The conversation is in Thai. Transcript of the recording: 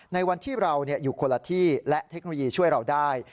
ในวันที่เราอยู่คนละที่และเทคโนโลยีช่วยเราได้